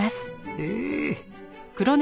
へえ！